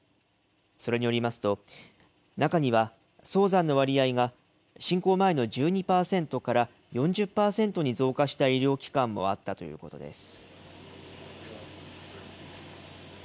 それによりますと、中には、早産の割合が、侵攻前の１２％から４０％に増加した医療機関もあったということです。